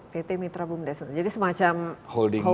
pt mitra bumdes jadi semacam holdingnya itu